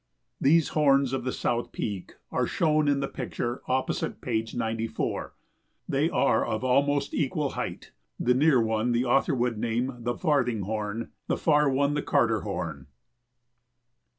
These horns of the South Peak are shown in the picture opposite page 94; they are of almost equal height; the near one the author would name the Farthing Horn, the far one the Carter Horn.